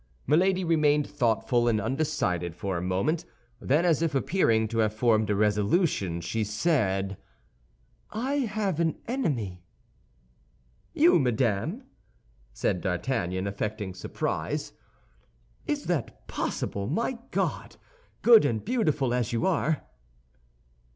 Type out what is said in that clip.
Milady remained thoughtful and undecided for a moment; then, as if appearing to have formed a resolution, she said, "I have an enemy." "You, madame!" said D'Artagnan, affecting surprise; "is that possible, my God?—good and beautiful as you are!"